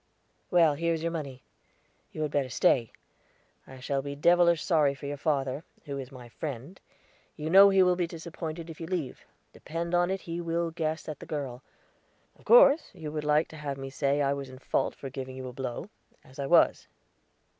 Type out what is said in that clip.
"Well, here is your money; you had better stay. I shall be devilish sorry for your father, who is my friend; you know he will be disappointed if you leave; depend upon it he will guess at the girl. Of course you would like to have me say I was in fault about giving you a blow as I was.